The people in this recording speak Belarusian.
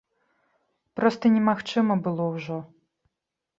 Проста немагчыма было ўжо.